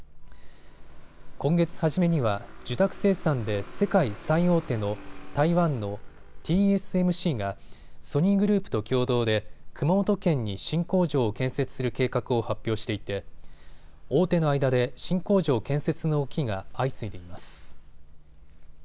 今月初めには受託生産で世界最大手の台湾のＴＳＭＣがソニーグループと共同で熊本県に新工場を建設する計画を発表していて大手の間で新工場建設の動きが相次いでいます。